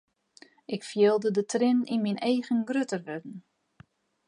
Ik fielde de triennen yn myn eagen grutter wurden.